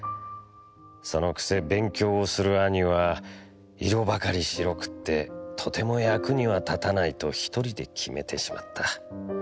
その癖勉強をする兄は色ばかり白くってとても役には立たないと一人で決めてしまった。